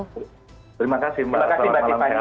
terima kasih mbak tiffany